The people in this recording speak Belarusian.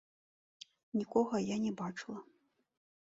Нікога я не бачыла.